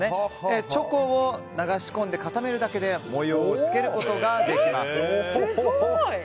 チョコを流し込んで固めるだけで模様をつけることができます。